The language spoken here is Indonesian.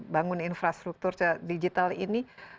bangun infrastruktur digital ini